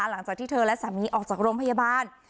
หลังจากที่เธอและสามีออกจากโรงพยาบาล